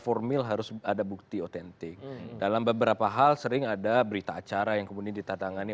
formil harus ada bukti otentik dalam beberapa hal sering ada berita acara yang kemudian ditatangani